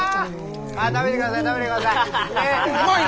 食べてください食べてください。